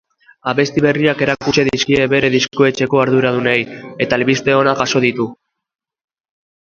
Abesti berriak erakutsi dizkie bere diskoetxeko arduradunei eta albiste onak jaso ditu.